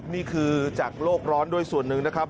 นี่คือจากโลกร้อนด้วยส่วนหนึ่งนะครับ